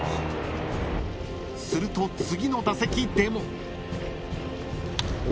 ［すると次の打席でも］